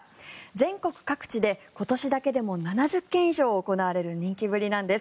全国各地で今年だけでも７０件以上行われる人気ぶりなんです。